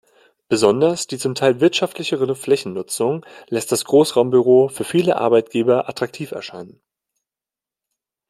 Besonders die zum Teil wirtschaftlichere Flächennutzung lässt das Großraumbüro für viele Arbeitgeber attraktiv erscheinen.